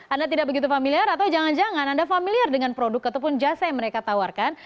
anda tidak begitu familiar atau jangan jangan anda familiar dengan produk ataupun jasa yang mereka tawarkan